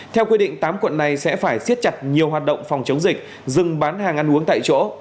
theo quy định tám quận này sẽ phải siết chặt nhiều hoạt động phòng chống dịch dừng bán hàng ăn uống tại chỗ